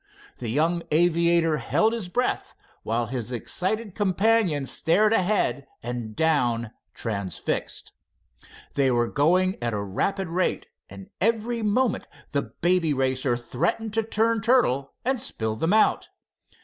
The young aviator held his breath, while his excited companion stared ahead and down, transfixed. They were going at a rapid rate, and every moment the Baby Racer threatened to turn turtle and spill them out.